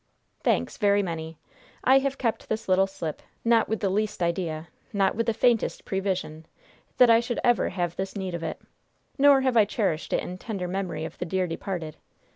"Thanks, very many. I have kept this little slip, not with the least idea, not with the faintest prevision, that I should ever have this need of it. Nor have I cherished it in tender memory of the dear departed.